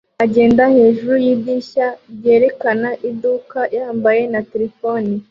agenda hejuru yidirishya ryerekana iduka yambaye na terefone